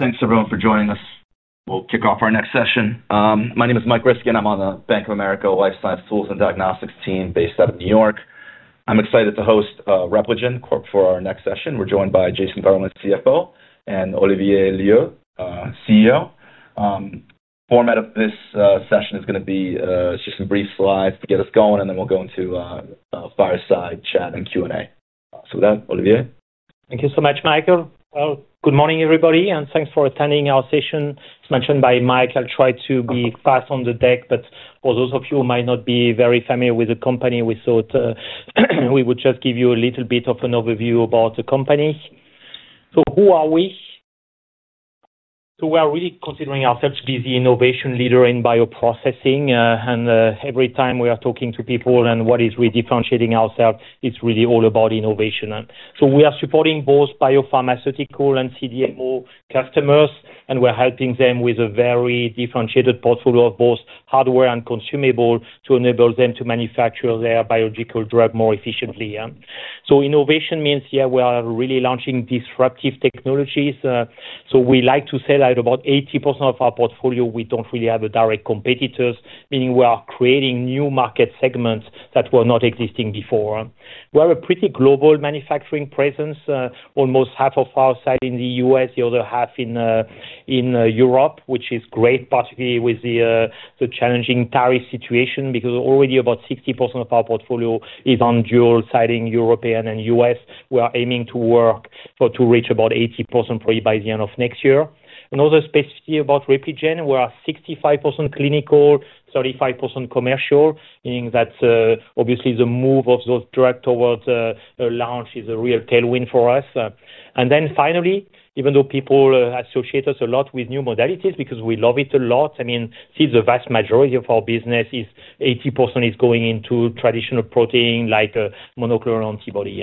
Thanks everyone for joining us. We'll kick off our next session. My name is Mike Riskin. I'm on the Bank of America Life Science Tools and Diagnostics team based out of New York. I'm excited to host Repligen for our next session. We're joined by Jason Garland, CFO, and Olivier Loeillot, CEO. The format of this session is going to be just some brief slides to get us going, and then we'll go into fireside chat and Q&A. With that, Olivier. Thank you so much, Mike. Good morning everybody, and thanks for attending our session. As mentioned by Mike, I'll try to be fast on the deck, but for those of you who might not be very familiar with the company, we thought we would just give you a little bit of an overview about the company. Who are we? We are really considering ourselves to be the innovation leader in bioprocessing, and every time we are talking to people on what is really differentiating ourselves, it's really all about innovation. We are supporting both biopharmaceutical and CDMO customers, and we're helping them with a very differentiated portfolio of both hardware and consumables to enable them to manufacture their biological drug more efficiently. Innovation means we are really launching disruptive technologies. We like to say about 80% of our portfolio, we don't really have direct competitors, meaning we are creating new market segments that were not existing before. We have a pretty global manufacturing presence, almost half of our site in the U.S., the other half in Europe, which is great, particularly with the challenging Paris situation, because already about 60% of our portfolio is on dual-sourcing, European and U.S. We are aiming to work to reach about 80% by the end of next year. Another specificity about Repligen, we are 65% clinical, 35% commercial, meaning that obviously the move of those drugs towards a launch is a real tailwind for us. Even though people associate us a lot with new modalities, because we love it a lot, the vast majority of our business is 80% going into traditional protein like monoclonal antibody.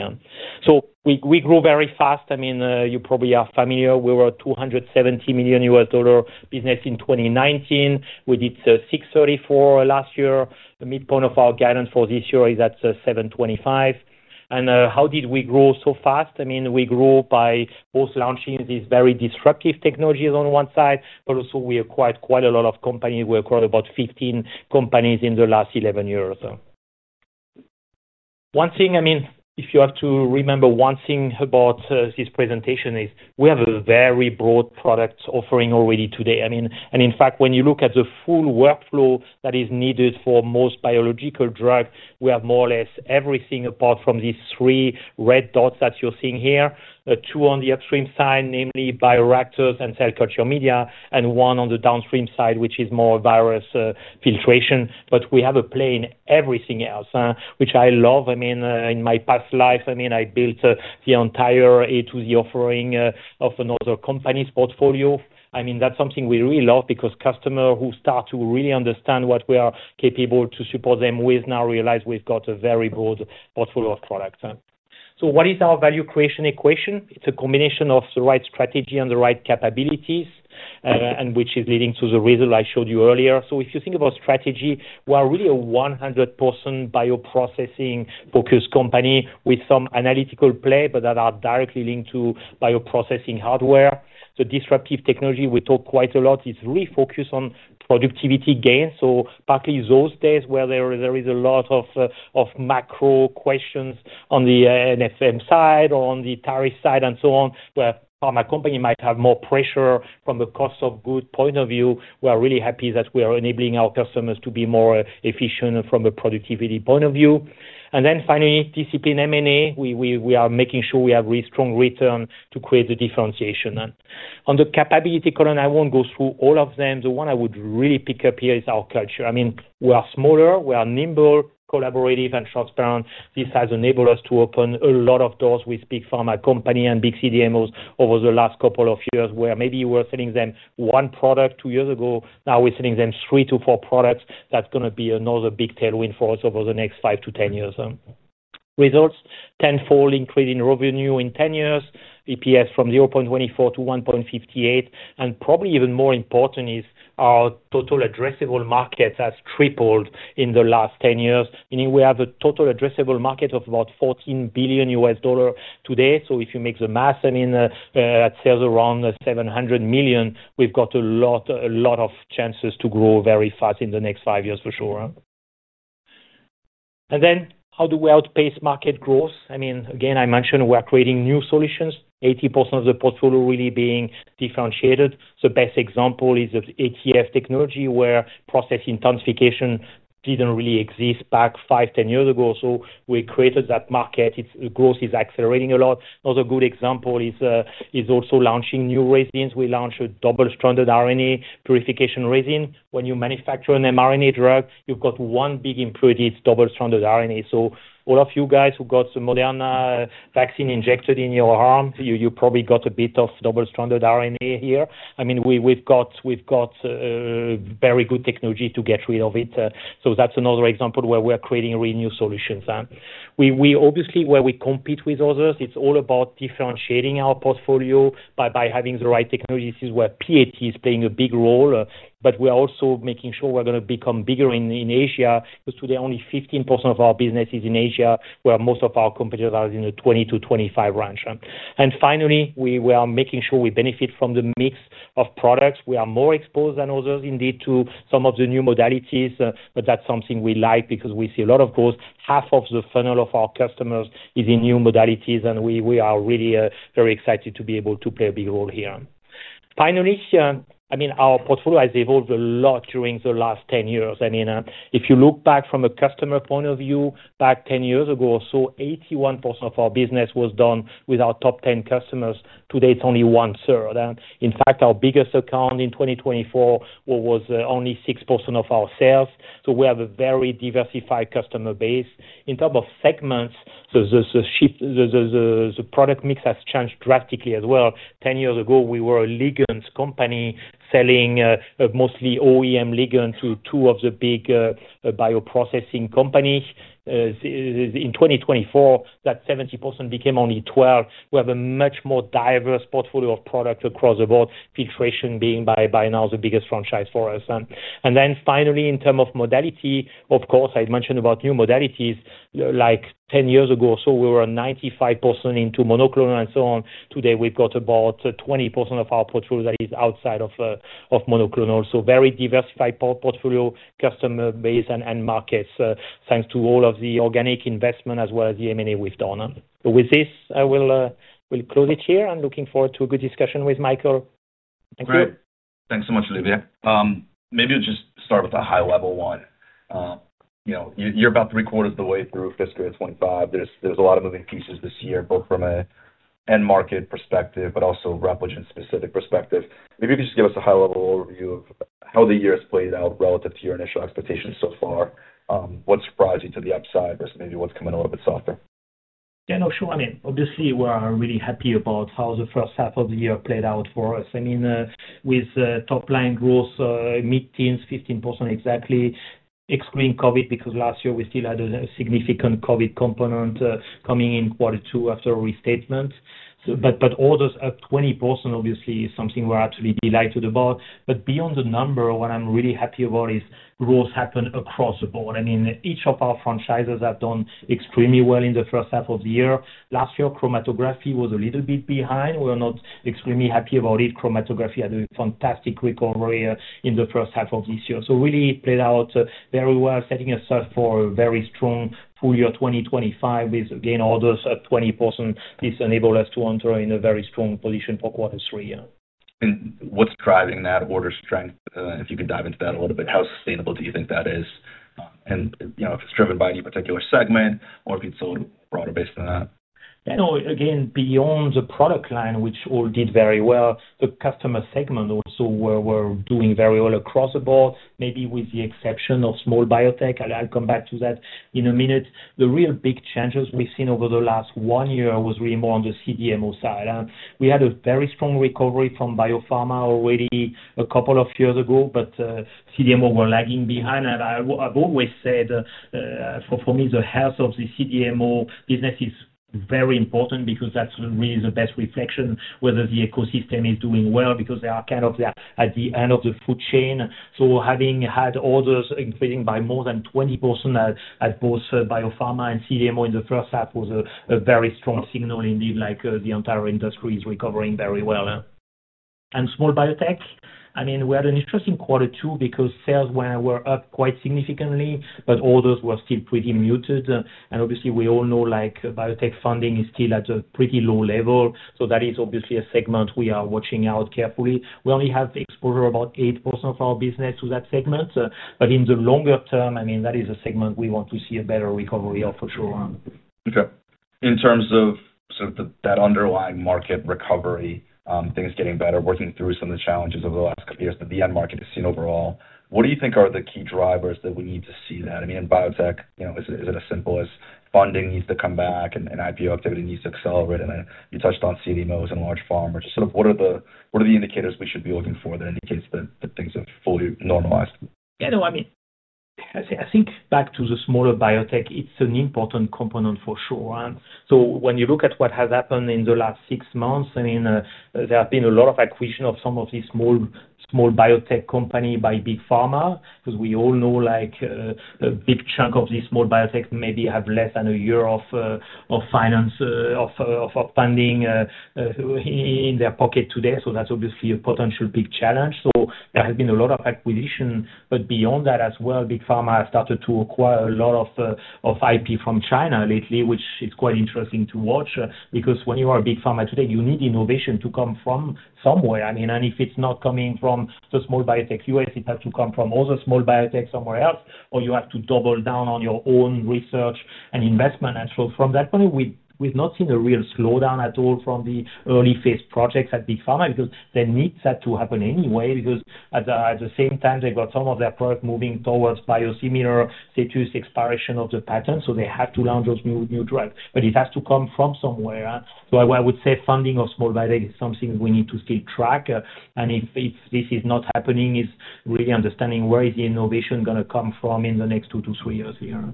We grow very fast. You probably are familiar, we were a $270 million U.S. dollar business in 2019. We did $634 million last year. The midpoint of our guidance for this year is at $725 million. How did we grow so fast? We grew by both launching these very disruptive technologies on one side, but also we acquired quite a lot of companies. We acquired about 15 companies in the last 11 years. If you have to remember one thing about this presentation, it is we have a very broad product offering already today. I mean, in fact, when you look at the full workflow that is needed for most biological drugs, we have more or less everything apart from these three red dots that you're seeing here, two on the upstream side, namely bioreactors and cell culture media, and one on the downstream side, which is more virus filtration. We have everything else, which I love. In my past life, I built the entire A2Z offering of another company's portfolio. That's something we really love because customers who start to really understand what we are capable to support them with now realize we've got a very broad portfolio of products. What is our value creation equation? It's a combination of the right strategy and the right capabilities, which is leading to the result I showed you earlier. If you think of our strategy, we are really a 100% bioprocessing focused company with some analytical play, but that are directly linked to bioprocessing hardware. The disruptive technology we talk quite a lot is really focused on productivity gains. Partly those days where there is a lot of macro questions on the NSM side or on the tariff side and so on, where a pharma company might have more pressure from a cost of good point of view, we are really happy that we are enabling our customers to be more efficient from a productivity point of view. Finally, discipline M&A, we are making sure we have really strong return to create the differentiation. On the capability column, I won't go through all of them. The one I would really pick up here is our culture. We are smaller, we are nimble, collaborative, and transparent. This has enabled us to open a lot of doors with big pharma companies and big CDMOs over the last couple of years where maybe we were selling them one product two years ago, now we're selling them three to four products. That's going to be another big tailwind for us over the next five to ten years. Results, tenfold increase in revenue in ten years, EPS from $0.24 to $1.58. Probably even more important is our total addressable market has tripled in the last ten years, meaning we have a total addressable market of about $14 billion today. If you make the math, that sells around $700 million. We've got a lot, a lot of chances to grow very fast in the next five years for sure. How do we outpace market growth? I mean, again, I mentioned we're creating new solutions, 80% of the portfolio really being differentiated. The best example is the ATF technology where process intensification didn't really exist back five, ten years ago. We created that market. The growth is accelerating a lot. Another good example is also launching new resins. We launched a double-stranded RNA purification resin. When you manufacture an mRNA drug, you've got one big impurity, it's double-stranded RNA. All of you guys who got the Moderna vaccine injected in your arm, you probably got a bit of double-stranded RNA here. We've got very good technology to get rid of it. That's another example where we're creating really new solutions. Where we compete with others, it's all about differentiating our portfolio by having the right technology. This is where Process Analytics is playing a big role, but we're also making sure we're going to become bigger in Asia because today only 15% of our business is in Asia, where most of our competitors are in the 20% to 25% range. Finally, we are making sure we benefit from the mix of products. We are more exposed than others indeed to some of the new modalities, but that's something we like because we see a lot of growth. Half of the funnel of our customers is in new modalities, and we are really very excited to be able to play a big role here. Our portfolio has evolved a lot during the last ten years. If you look back from a customer point of view, back ten years ago, 81% of our business was done with our top ten customers. Today, it's only one, sir. In fact, our biggest account in 2024 was only 6% of our sales. We have a very diversified customer base. In terms of segments, the product mix has changed drastically as well. Ten years ago, we were a ligands company selling mostly OEM ligands to two of the big bioprocessing companies. In 2024, that 70% became only 12%. We have a much more diverse portfolio of products across the board, filtration being by now the biggest franchise for us. In terms of modality, of course, I mentioned about new modalities. Ten years ago, we were 95% into monoclonal and so on. Today, we've got about 20% of our portfolio that is outside of monoclonal. Very diversified portfolio, customer base, and markets, thanks to all of the organic investment as well as the M&A we've done. With this, I will close it here. I'm looking forward to a good discussion with Mike. Great. Thanks so much, Olivier. Maybe I'll just start with a high-level one. You know, you're about three quarters of the way through fiscal year 2025. There's a lot of moving pieces this year, both from an end-market perspective, but also Repligen's specific perspective. Maybe if you could just give us a high-level overview of how the year has played out relative to your initial expectations so far. What surprised you to the upside, versus maybe what's coming a little bit softer? Yeah, no, sure. I mean, obviously, we're really happy about how the first half of the year played out for us. I mean, with topline growth, mid-teens, 15% exactly, excluding COVID, because last year we still had a significant COVID component coming in quarter two after a restatement. All those up 20% obviously is something we're absolutely delighted about. Beyond the number, what I'm really happy about is growth happened across the board. Each of our franchises has done extremely well in the first half of the year. Last year, chromatography was a little bit behind. We're not extremely happy about it. Chromatography had a fantastic recovery in the first half of this year. It really played out very well, setting us up for a very strong full year 2025 with again all those 20%. This enabled us to enter in a very strong position for quarter three. What is driving that order strength? If you could dive into that a little bit, how sustainable do you think that is? Is it driven by any particular segment or is it a little broader based on that? Yeah, no, again, beyond the product line, which all did very well, the customer segment also were doing very well across the board, maybe with the exception of small biotech. I'll come back to that in a minute. The real big changes we've seen over the last one year were really more on the CDMO side. We had a very strong recovery from biopharma already a couple of years ago, but CDMO were lagging behind. I've always said, for me, the health of the CDMO business is very important because that's really the best reflection whether the ecosystem is doing well because they are kind of at the end of the food chain. Having had orders increasing by more than 20% at both biopharma and CDMO in the first half was a very strong signal indeed, like the entire industry is recovering very well. Small biotech, I mean, we had an interesting quarter too because sales were up quite significantly, but orders were still pretty muted. Obviously, we all know like biotech funding is still at a pretty low level. That is obviously a segment we are watching out carefully. We only have exposure about 8% of our business to that segment. In the longer term, I mean, that is a segment we want to see a better recovery of for sure. Okay. In terms of that underlying market recovery, things getting better, working through some of the challenges over the last couple of years, the VM market is seen overall. What do you think are the key drivers that we need to see that? I mean, in biotech, is it as simple as funding needs to come back and IPO activity needs to accelerate? You touched on CDMOs and large pharmas. What are the indicators we should be looking for that indicates that things have fully normalized? Yeah, no, I mean, I think back to the smaller biotech, it's an important component for sure. When you look at what has happened in the last six months, there have been a lot of acquisitions of some of these small biotech companies by big pharma because we all know a big chunk of these small biotechs maybe have less than a year of finance funding in their pocket today. That's obviously a potential big challenge. There has been a lot of acquisition. Beyond that as well, big pharma has started to acquire a lot of IP from China lately, which is quite interesting to watch because when you are a big pharma today, you need innovation to come from somewhere. If it's not coming from the small biotech U.S., it has to come from other small biotechs somewhere else, or you have to double down on your own research and investment. From that point, we've not seen a real slowdown at all from the early phase projects at big pharma because the needs had to happen anyway because at the same time, they've got some of their product moving towards biosimilar, say, to expiration of the patent. They have to launch those new drugs, but it has to come from somewhere. I would say funding of small biotech is something we need to still track. If this is not happening, it's really understanding where is the innovation going to come from in the next two to three years here.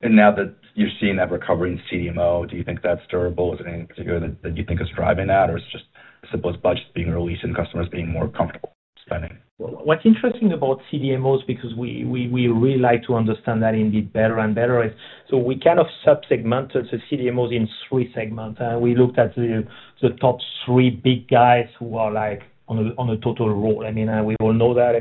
Now that you're seeing that recovery in CDMO, do you think that's durable? Is there anything in particular that you think is driving that, or is it just as simple as budgets being released and customers being more comfortable spending? What's interesting about CDMOs, because we really like to understand that indeed better and better, is we kind of subsegmented the CDMOs in three segments. We looked at the top three big guys who are on a total roll. I mean, we all know that.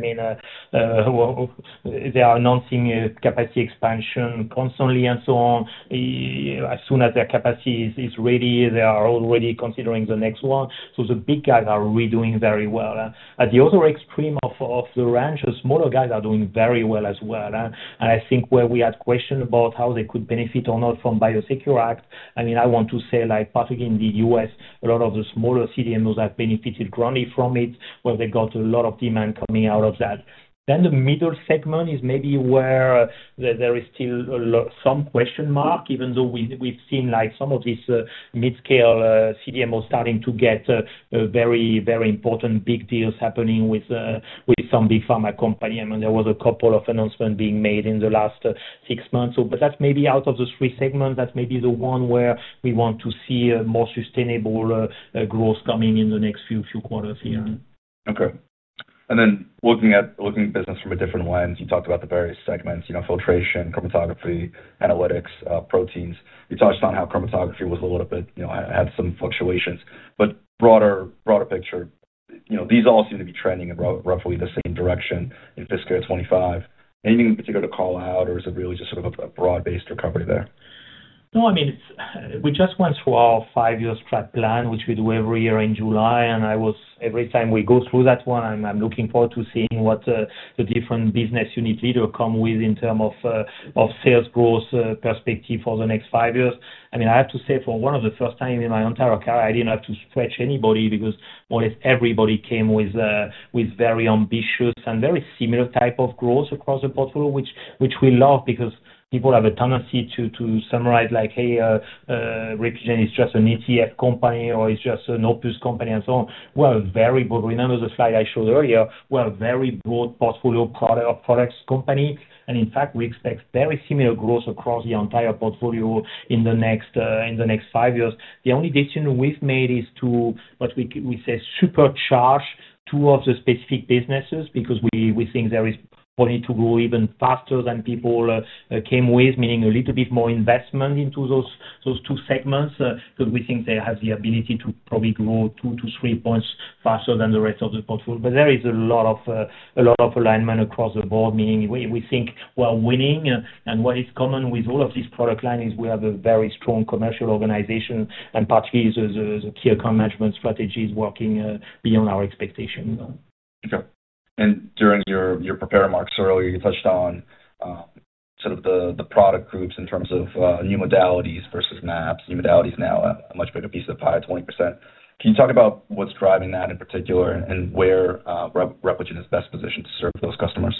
They are announcing capacity expansion constantly and as soon as their capacity is ready, they are already considering the next one. The big guys are really doing very well. At the other extreme of the range, the smaller guys are doing very well as well. I think where we had questions about how they could benefit or not from the Biosecure Act. I want to say partly in the U.S., a lot of the smaller CDMOs benefited greatly from it, where they got a lot of demand coming out of that. The middle segment is maybe where there is still some question mark, even though we've seen some of these mid-scale CDMOs starting to get very, very important big deals happening with some big pharma companies. There were a couple of announcements being made in the last six months. Out of the three segments, that's maybe the one where we want to see more sustainable growth coming in the next few quarters here. Okay. Looking at business from a different lens, you talked about the various segments, you know, filtration, chromatography, analytics, proteins. You touched on how chromatography was a little bit, you know, had some fluctuations. Broader picture, you know, these all seem to be trending in roughly the same direction in fiscal year 2025. Anything in particular to call out, or is it really just sort of a broad-based recovery there? No, I mean, we just went through our five-year strat plan, which we do every year in July. Every time we go through that one, I'm looking forward to seeing what the different business unit leaders come with in terms of sales growth perspective for the next five years. I have to say for one of the first times in my entire career, I didn't have to stretch anybody because more or less everybody came with very ambitious and very similar types of growth across the portfolio, which we love because people have a tendency to summarize like, hey, Repligen is just an ETF company or it's just an opus company and so on. Remember the slide I showed earlier, we're a very broad portfolio product company. In fact, we expect very similar growth across the entire portfolio in the next five years. The only decision we've made is to, what we say, supercharge towards the specific businesses because we think there is probably to grow even faster than people came with, meaning a little bit more investment into those two segments because we think they have the ability to probably grow two to three points faster than the rest of the portfolio. There is a lot of alignment across the board, meaning we think we're winning. What is common with all of these product lines is we have a very strong commercial organization and partly the key account management strategy is working beyond our expectations. Okay. During your prepared remarks earlier, you touched on the product groups in terms of new modalities versus traditional proteins, with new modalities now a much bigger piece of the pie, 20%. Can you talk about what's driving that in particular and where Repligen is best positioned to serve those customers?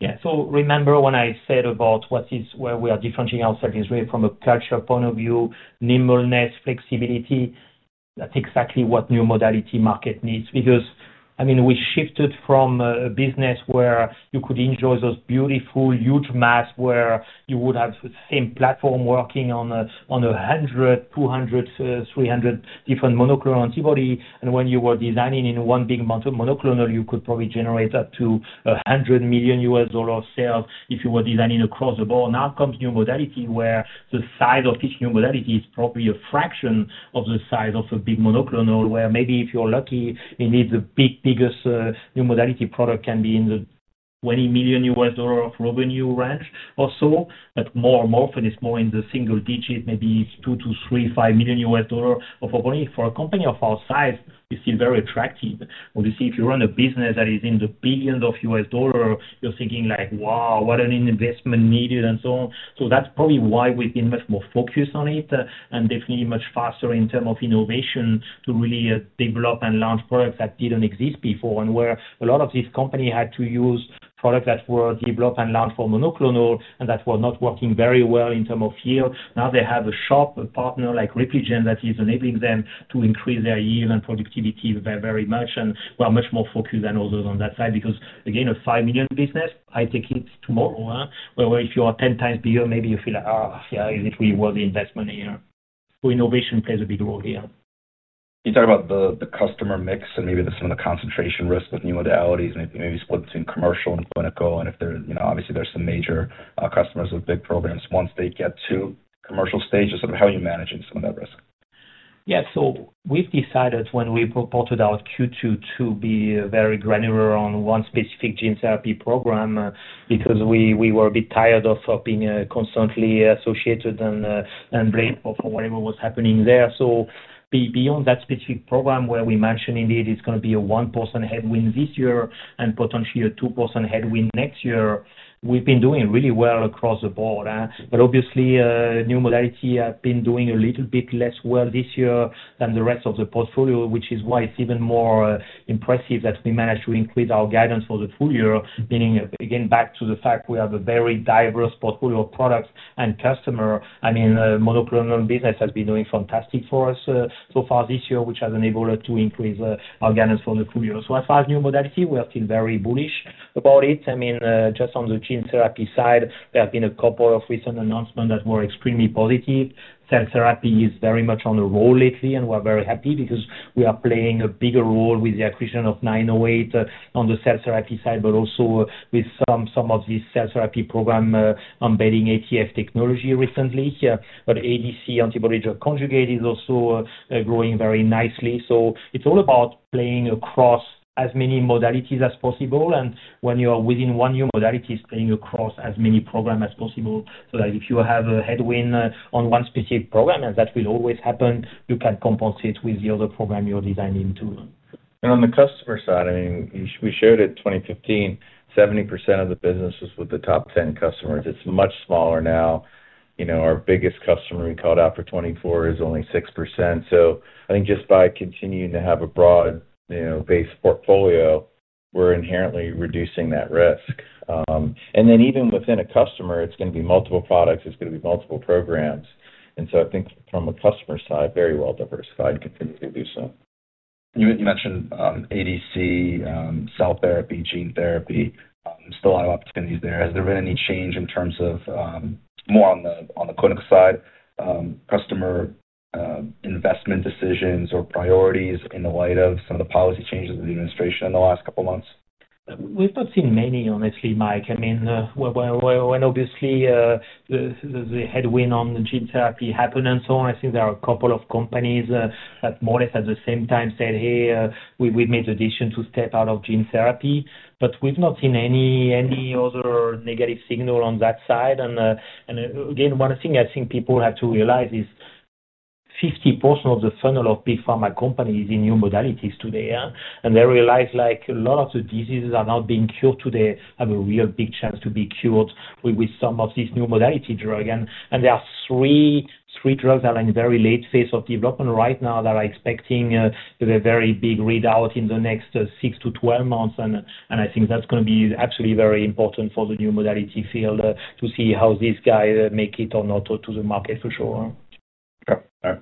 Yeah, so remember when I said about what is where we are differentiating ourselves is really from a culture point of view, nimbleness, flexibility. That's exactly what new modality market needs because, I mean, we shifted from a business where you could enjoy those beautiful huge maps where you would have the same platform working on 100, 200, 300 different monoclonal antibodies. When you were designing in one big monoclonal, you could probably generate up to $100 million U.S. dollars sales if you were designing across the board. Now comes new modality where the size of each new modality is probably a fraction of the size of a big monoclonal where maybe if you're lucky, it needs a big biggest new modality product can be in the $20 million U.S. dollar of revenue range or so. More and more, if it's more in the single digit, maybe it's $2 million to $3 million, $5 million U.S. dollars of revenue. For a company of our size, it's still very attractive. Obviously, if you run a business that is in the billions of U.S. dollars, you're thinking like, wow, what an investment needed and so on. That's probably why we've been much more focused on it and definitely much faster in terms of innovation to really develop and launch products that didn't exist before and where a lot of these companies had to use products that were developed and launched for monoclonal and that were not working very well in terms of yield. Now they have a sharp partner like Repligen that is enabling them to increase their yield and productivity very, very much and we're much more focused than others on that side because again, a $5 million business, I take it tomorrow, where if you are 10 times bigger, maybe you feel like, yeah, is it really worth the investment here? Innovation plays a big role here. Can you talk about the customer mix and maybe some of the concentration risk with new modalities, maybe split between commercial and clinical, and if there are, obviously, there's some major customers with big programs. Once they get to commercial stage, sort of how are you managing some of that risk? Yeah, so we've decided when we reported out Q2 to be very granular on one specific gene therapy program because we were a bit tired of being constantly associated and blamed for whatever was happening there. Beyond that specific program where we mentioned indeed it's going to be a 1% headwind this year and potentially a 2% headwind next year, we've been doing really well across the board. Obviously, new modality has been doing a little bit less well this year than the rest of the portfolio, which is why it's even more impressive that we managed to increase our guidance for the full year, meaning again back to the fact we have a very diverse portfolio of products and customers. The monoclonal business has been doing fantastic for us so far this year, which has enabled us to increase our guidance for the full year. As far as new modality, we are still very bullish about it. Just on the gene therapy side, there have been a couple of recent announcements that were extremely positive. Cell therapy is very much on a roll lately, and we're very happy because we are playing a bigger role with the acquisition of 908 Devices on the cell therapy side, but also with some of these cell therapy programs embedding ATF technology recently. ADC, antibody-drug conjugate, is also growing very nicely. It's all about playing across as many modalities as possible. When you are within one new modality, it's playing across as many programs as possible so that if you have a headwind on one specific program, as that will always happen, you can compensate with the other program you're designing too. On the customer side, we shared it in 2015, 70% of the business was with the top 10 customers. It's much smaller now. Our biggest customer we called out for 2024 is only 6%. I think just by continuing to have a broad, you know, based portfolio, we're inherently reducing that risk. Even within a customer, it's going to be multiple products. It's going to be multiple programs. I think from a customer side, very well diversified, continue to do so. You mentioned ADC, cell therapy, gene therapy, still a lot of opportunities there. Has there been any change in terms of, more on the clinical side, customer investment decisions or priorities in the light of some of the policy changes in the administration in the last couple of months? We've not seen many, honestly, Mike. I mean, obviously, the headwind on the gene therapy happened and so on. I think there are a couple of companies at more or less at the same time said, hey, we've made the decision to step out of gene therapy. We've not seen any other negative signal on that side. One thing I think people have to realize is 50% of the funnel of big pharma companies in new modalities today. They realize a lot of the diseases that are not being cured today have a real big chance to be cured with some of these new modality drugs. There are three drugs that are in the very late phase of development right now that are expecting a very big readout in the next six to twelve months. I think that's going to be absolutely very important for the new modality field to see how these guys make it or not to the market for sure. Okay.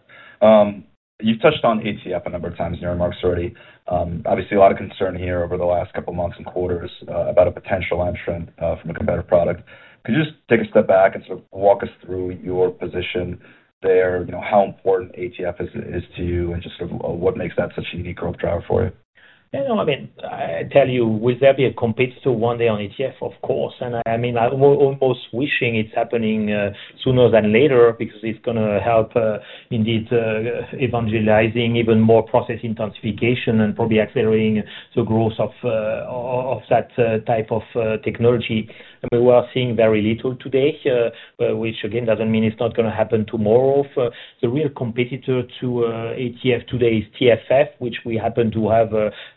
You've touched on ATF a number of times in your remarks already. Obviously, a lot of concern here over the last couple of months and quarters about a potential entrant from a competitive product. Could you just take a step back and sort of walk us through your position there? You know, how important ATF is to you and just sort of what makes that such a unique growth driver for you? Yeah, no, I mean, I tell you, with every competitor one day on ATF, of course. I'm almost wishing it's happening sooner than later because it's going to help indeed evangelizing even more process intensification and probably accelerating the growth of that type of technology. We're seeing very little today, which again doesn't mean it's not going to happen tomorrow. The real competitor to ATF today is TFF, which we happen to have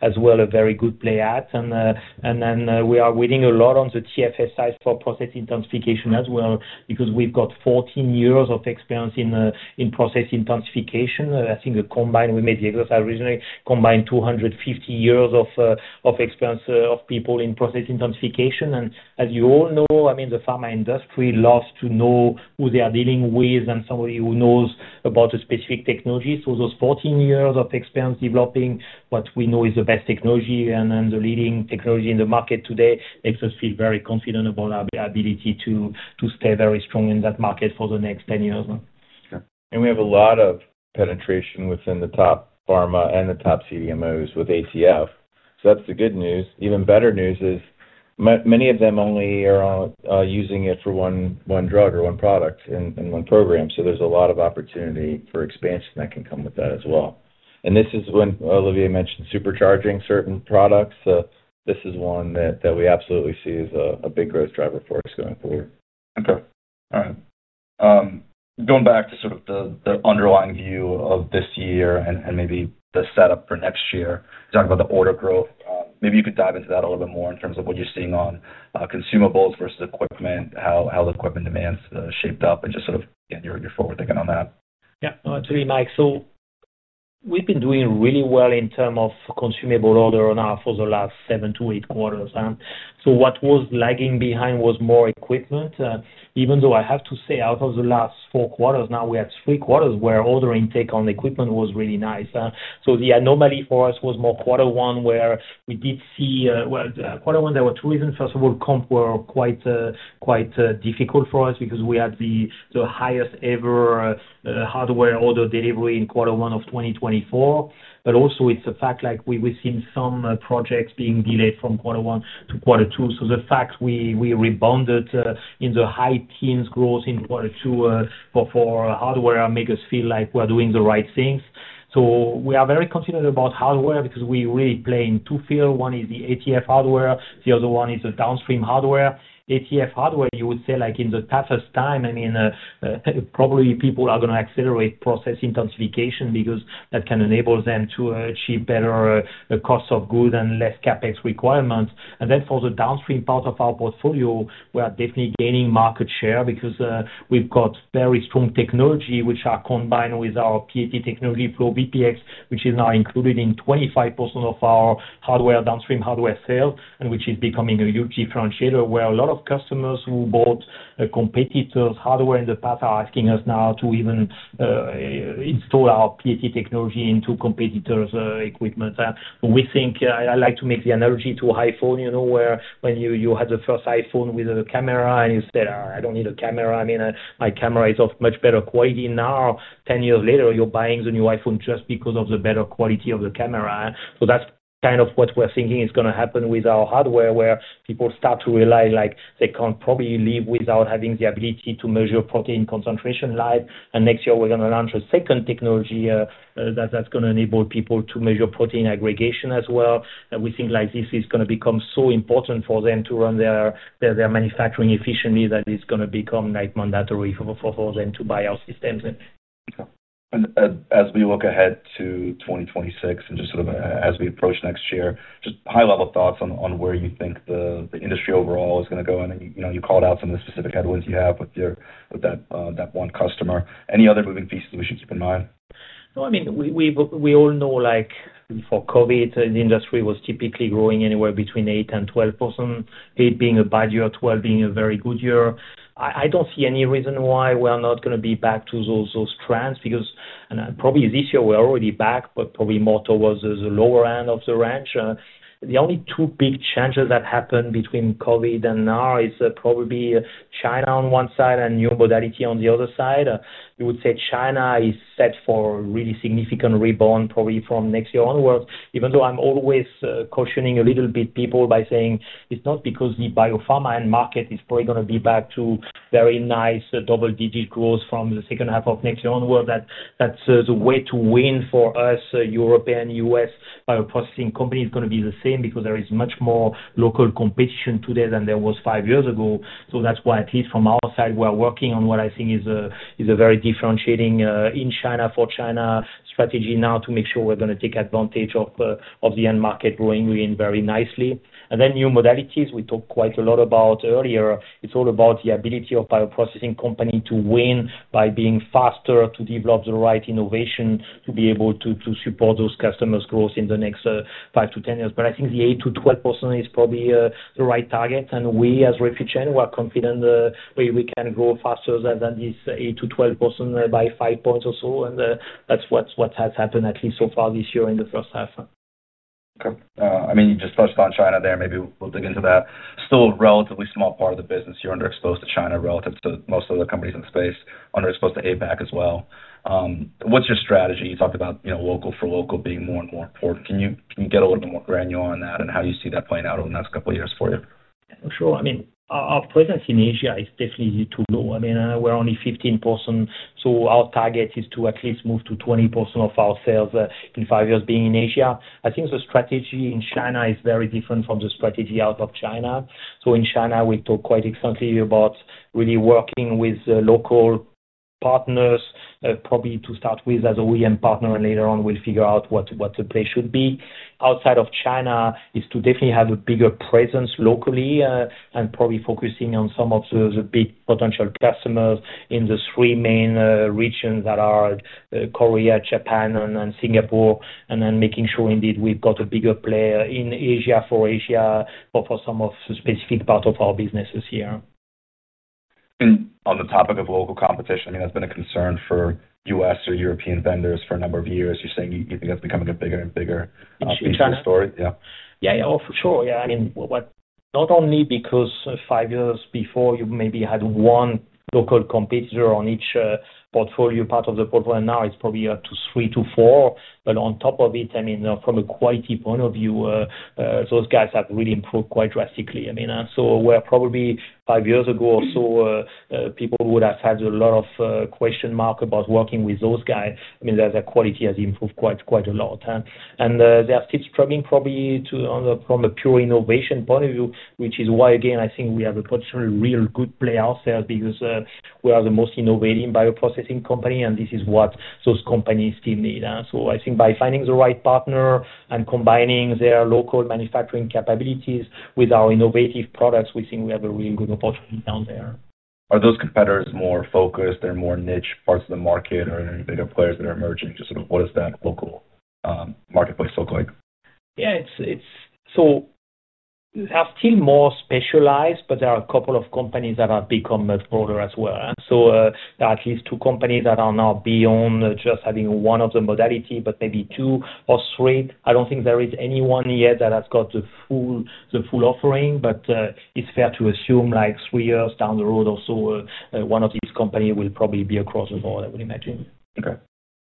as well a very good play at. We are winning a lot on the TFF side for process intensification as well because we've got 14 years of experience in process intensification. I think we made the exercise originally, combined 250 years of experience of people in process intensification. As you all know, the pharma industry loves to know who they are dealing with and somebody who knows about a specific technology. Those 14 years of experience developing what we know is the best technology and the leading technology in the market today makes us feel very confident about our ability to stay very strong in that market for the next 10 years. We have a lot of penetration within the top pharma and the top CDMOs with ATF. That's the good news. Even better news is many of them only are using it for one drug or one product and one program. There is a lot of opportunity for expansion that can come with that as well. When Olivier mentioned supercharging certain products, this is one that we absolutely see as a big growth driver for us going forward. All right. Going back to the underlying view of this year and maybe the setup for next year, talk about the order growth. Maybe you could dive into that a little bit more in terms of what you're seeing on consumables versus equipment, how the equipment demand has shaped up and your forward thinking on that. Yeah, actually, Mike, we've been doing really well in terms of consumable order for the last seven to eight quarters. What was lagging behind was more equipment. I have to say out of the last four quarters, we had three quarters where order intake on equipment was really nice. The anomaly for us was more quarter one where we did see, in quarter one, there were two reasons. First of all, comps were quite difficult for us because we had the highest ever hardware order delivery in quarter one of 2024. It's also the fact we've seen some projects being delayed from quarter one to quarter two. The fact we rebounded in the high teens growth in quarter two for hardware makes us feel like we're doing the right things. We are very concerned about hardware because we really play in two fields. One is the ATF hardware, the other one is the downstream hardware. ATF hardware, you would say in the toughest time, probably people are going to accelerate process intensification because that can enable them to achieve better cost of goods and less CapEx requirements. For the downstream part of our portfolio, we are definitely gaining market share because we've got very strong technology, which are combined with our PET technology flow, VPX, which is now included in 25% of our downstream hardware sales, and which is becoming a huge differentiator where a lot of customers who bought competitors' hardware in the past are asking us now to even install our PET technology into competitors' equipment. I like to make the analogy to iPhone, where when you had the first iPhone with a camera and you said, I don't need a camera, my camera is of much better quality. Now, 10 years later, you're buying the new iPhone just because of the better quality of the camera. That's kind of what we're thinking is going to happen with our hardware where people start to realize they can't probably live without having the ability to measure protein concentration live. Next year, we're going to launch a second technology that's going to enable people to measure protein aggregation as well. We think this is going to become so important for them to run their manufacturing efficiently that it's going to become mandatory for them to buy our systems. As we look ahead to 2026 and just as we approach next year, high-level thoughts on where you think the industry overall is going to go. You called out some of the specific headwinds you have with that one customer. Any other moving pieces we should keep in mind? No, I mean, we all know like before COVID, the industry was typically growing anywhere between 8% and 12%, 8% being a bad year, 12% being a very good year. I don't see any reason why we're not going to be back to those trends because, and probably this year we're already back, probably more towards the lower end of the range. The only two big changes that happened between COVID and now are probably China on one side and new modality on the other side. We would say China is set for a really significant rebound probably from next year onwards, even though I'm always cautioning a little bit, people, by saying it's not because the biopharma end market is probably going to be back to very nice double-digit growth from the second half of next year onwards. That's the way to win for us. European and U.S. bioprocessing companies are going to be the same because there is much more local competition today than there was five years ago. That is why at least from our side, we're working on what I think is a very differentiating in China for China strategy now to make sure we're going to take advantage of the end market growing in very nicely. New modalities we talked quite a lot about earlier. It's all about the ability of bioprocessing companies to win by being faster to develop the right innovation to be able to support those customers' growth in the next five to ten years. I think the 8% to 12% is probably the right target. We as Repligen, we're confident that we can grow faster than this 8% to 12% by five points or so. That's what has happened at least so far this year in the first half. Okay. You just touched on China there. Maybe we'll dig into that. Still a relatively small part of the business here, underexposed to China relative to most of the companies in the space, underexposed to APAC as well. What's your strategy? You talked about local for local being more and more important. Can you get a little bit more granular on that, and how do you see that playing out over the next couple of years for you? Sure. I mean, our presence in Asia is definitely too low. We're only at 15%. Our target is to at least move to 20% of our sales in five years being in Asia. I think the strategy in China is very different from the strategy out of China. In China, we talk quite extensively about really working with local partners, probably to start with as an OEM partner, and later on we'll figure out what the play should be. Outside of China, it's to definitely have a bigger presence locally and probably focusing on some of the big potential customers in the three main regions that are Korea, Japan, and Singapore, and then making sure indeed we've got a bigger player in Asia for Asia for some of the specific parts of our businesses here. On the topic of local competition, that's been a concern for U.S. or European vendors for a number of years. You're saying you think that's becoming a bit bigger and bigger. Sure. In China? Yeah. Yeah, for sure. I mean, not only because five years before you maybe had one local competitor on each part of the portfolio, and now it's probably up to three to four. On top of it, from a quality point of view, those guys have really improved quite drastically. Where probably five years ago or so, people would have had a lot of question marks about working with those guys, their quality has improved quite a lot. They are still struggling probably from a pure innovation point of view, which is why again I think we have a potential real good play ourselves because we are the most innovative bioprocessing company, and this is what those companies still need. I think by finding the right partner and combining their local manufacturing capabilities with our innovative products, we think we have a really good opportunity down there. Are those competitors more focused on more niche parts of the market or bigger players that are emerging? Just what does that local marketplace look like? Yeah, they are still more specialized, but there are a couple of companies that have become much broader as well. There are at least two companies that are now beyond just having one of the modalities, but maybe two or three. I don't think there is anyone yet that has got the full offering, but it's fair to assume like three years down the road or so, one of these companies will probably be across the board, I would imagine. Okay.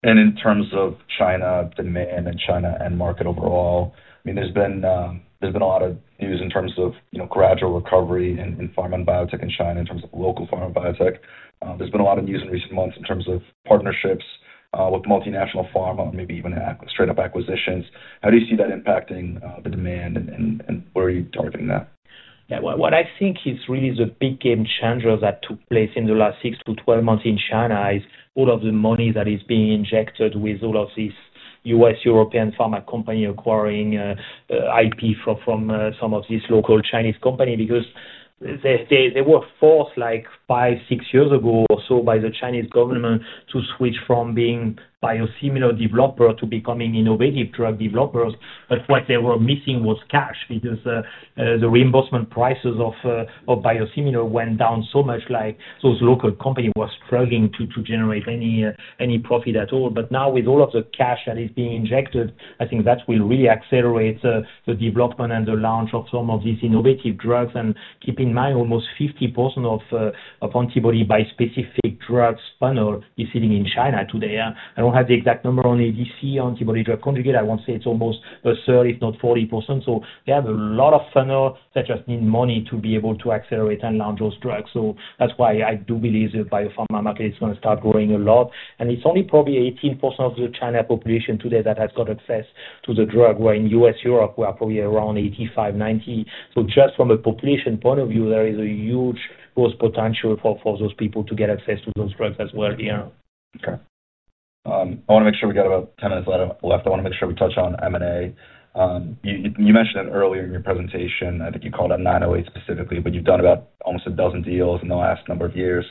In terms of China demand and China end market overall, there's been a lot of news in terms of gradual recovery in pharma and biotech in China in terms of local pharma and biotech. There's been a lot of news in recent months in terms of partnerships with multinational pharma and maybe even straight-up acquisitions. How do you see that impacting the demand and where are you targeting that? Yeah, what I think is really the big game changers that took place in the last six to twelve months in China is all of the money that is being injected with all of these U.S. European pharma companies acquiring IP from some of these local Chinese companies because they were forced like five, six years ago or so by the Chinese government to switch from being biosimilar developers to becoming innovative drug developers. What they were missing was cash because the reimbursement prices of biosimilars went down so much like those local companies were struggling to generate any profit at all. Now with all of the cash that is being injected, I think that will really accelerate the development and the launch of some of these innovative drugs. Keep in mind, almost 50% of antibody-specific drugs funnel is sitting in China today. I don't have the exact number on ADC, antibody-drug conjugate. I want to say it's almost a third, if not 40%. They have a lot of funnel that just need money to be able to accelerate and launch those drugs. That is why I do believe the biopharma market is going to start growing a lot. It's only probably 18% of the China population today that has got access to the drug, where in U.S., Europe, we are probably around 85%, 90%. Just from a population point of view, there is a huge growth potential for those people to get access to those drugs as well here. Okay. I want to make sure we got about 10 minutes left. I want to make sure we touch on M&A. You mentioned it earlier in your presentation. I think you called them 908 specifically, but you've done about almost a dozen deals in the last number of years,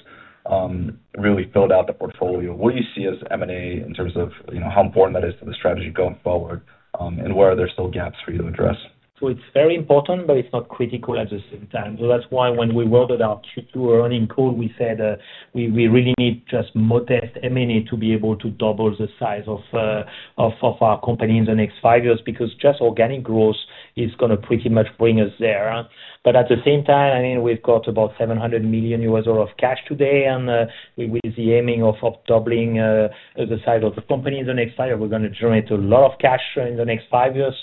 really filled out the portfolio. What do you see as M&A in terms of how important that is to the strategy going forward and where are there still gaps for you to address? It is very important, but it's not critical at the same time. That's why when we wrote out the Q2 earnings call, we said we really need just modest M&A to be able to double the size of our company in the next five years because just organic growth is going to pretty much bring us there. At the same time, we've got about $700 million of cash today and with the aiming of doubling the size of the company in the next five years, we're going to generate a lot of cash in the next five years.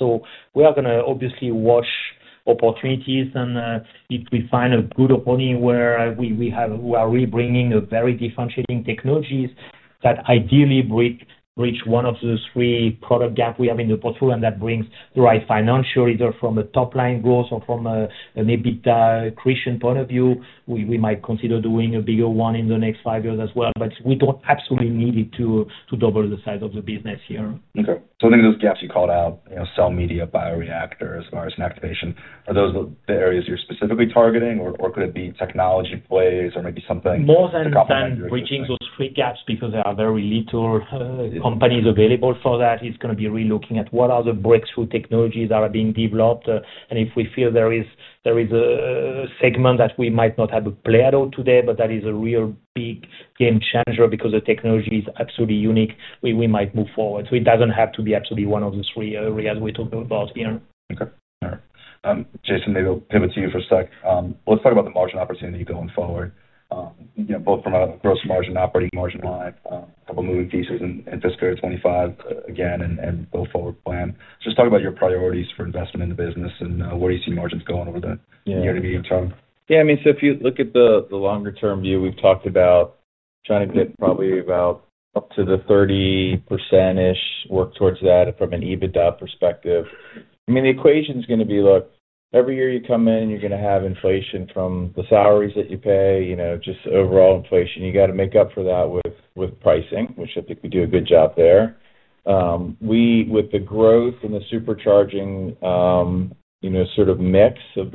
We are going to obviously watch opportunities, and if we find a good opportunity where we are really bringing very differentiating technologies that ideally bridge one of the three product gaps we have in the portfolio and that brings the right financial either from the topline growth or from a maybe creation point of view, we might consider doing a bigger one in the next five years as well. We don't absolutely need it to double the size of the business here. I think those gaps you called out, you know, cell media, bioreactors, virus inactivation, are those the areas you're specifically targeting or could it be technology plays or maybe something? More than bridging those three gaps because there are very few companies available for that, it's going to be really looking at what are the breakthrough technologies that are being developed. If we feel there is a segment that we might not have a play at all today, but that is a real big game changer because the technology is absolutely unique, we might move forward. It doesn't have to be absolutely one of the three areas we talked about here. Okay. All right. Jason, maybe I'll pivot to you for a sec. Let's talk about the margin opportunity going forward, you know, both from a gross margin and operating margin line, a couple of moving pieces in fiscal year 2025 again and go forward plan. Just talk about your priorities for investment in the business and where do you see margins going over the near to medium term? Yeah, I mean, so if you look at the longer term view, we've talked about trying to get probably about to the 30%-ish, work towards that from an EBITDA perspective. I mean, the equation is going to be, look, every year you come in, you're going to have inflation from the salaries that you pay, you know, just overall inflation. You got to make up for that with pricing, which I think we do a good job there. With the growth and the supercharging, you know, sort of mix of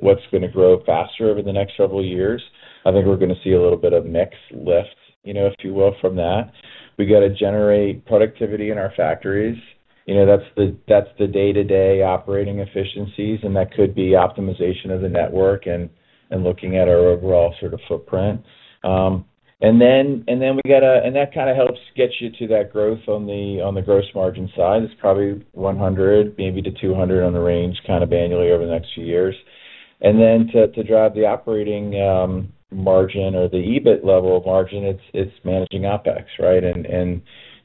what's going to grow faster over the next several years, I think we're going to see a little bit of mix lift, if you will, from that. We got to generate productivity in our factories. That's the day-to-day operating efficiencies, and that could be optimization of the network and looking at our overall sort of footprint. That kind of helps get you to that growth on the gross margin side. It's probably $100 million, maybe to $200 million on the range kind of annually over the next few years. To drive the operating margin or the EBIT level of margin, it's managing OpEx, right?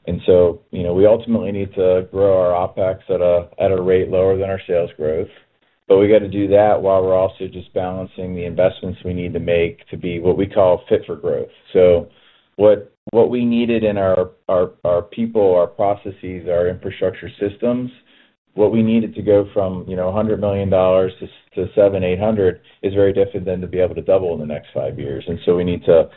You know, we ultimately need to grow our OpEx at a rate lower than our sales growth. We got to do that while we're also just balancing the investments we need to make to be what we call fit for growth. What we needed in our people, our processes, our infrastructure systems, what we needed to go from $100 million to $700 million, $800 million is very different than to be able to double in the next five years. We need to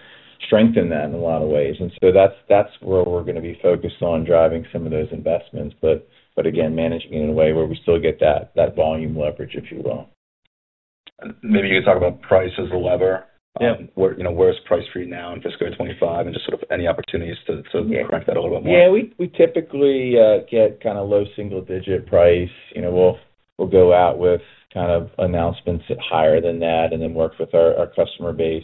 strengthen that in a lot of ways. That's where we're going to be focused on driving some of those investments, again, managing it in a way where we still get that volume leverage, if you will. Maybe you can talk about price as a lever. Where is price for you now in fiscal year 2025, and just sort of any opportunities to crack that a little bit more? Yeah, we typically get kind of low single digit price. We'll go out with announcements higher than that and then work with our customer base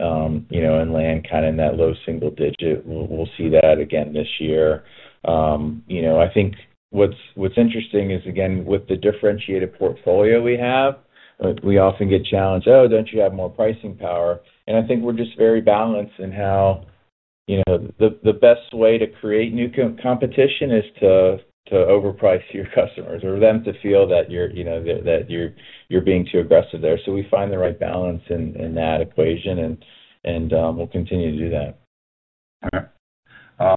and land kind of in that low single digit. We'll see that again this year. I think what's interesting is, again, with the differentiated portfolio we have, we often get challenged, oh, don't you have more pricing power? I think we're just very balanced in how, you know, the best way to create new competition is to overprice your customers or them to feel that you're being too aggressive there. We find the right balance in that equation and we'll continue to do that. All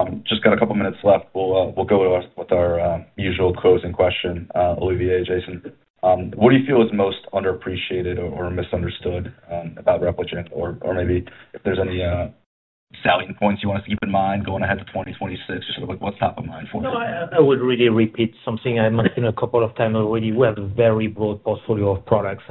right. Just got a couple of minutes left. We'll go to our usual closing question. Olivier, Jason, what do you feel is most underappreciated or misunderstood about Repligen or maybe if there's any selling points you want us to keep in mind going ahead to 2026 or sort of what's top of mind for you? I would really repeat something I've mentioned a couple of times already. We have a very broad portfolio of products.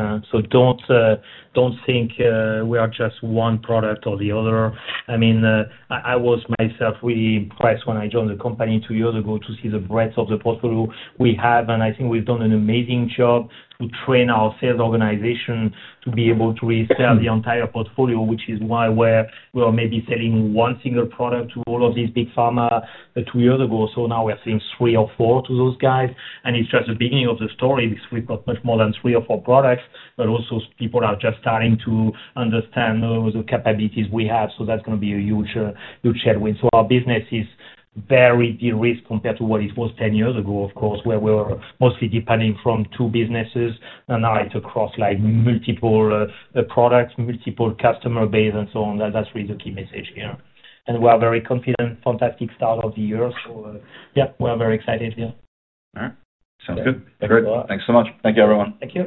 Don't think we are just one product or the other. I was myself really impressed when I joined the company two years ago to see the breadth of the portfolio we have. I think we've done an amazing job to train our sales organization to be able to resell the entire portfolio, which is why we were maybe selling one single product to all of these big pharma two years ago. Now we're selling three or four to those guys, and it's just the beginning of the story. We've got much more than three or four products, but also people are just starting to understand the capabilities we have. That's going to be a huge, huge headwind. Our business is very de-risked compared to what it was 10 years ago, of course, where we were mostly dependent on two businesses. Now it's across multiple products, multiple customer bases, and so on. That's really the key message here. We're very confident, fantastic start of the year. We're very excited. Yeah. All right. Sounds good. Thanks so much. Thank you, everyone. Thank you.